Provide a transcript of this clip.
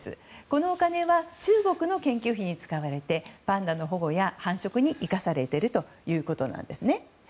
このお金は中国の研究費に使われパンダの保護や繁殖に生かされているということです。